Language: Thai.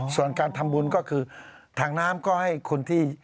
ส่วนการทำบุญก็คือถังน้ำก็ให้คนที่